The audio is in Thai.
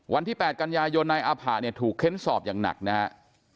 วันที่๘กันยายนนายอาผะเนี่ยถูกเค้นสอบอย่างหนักนะครับ